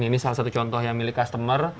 ini salah satu contoh yang milik customer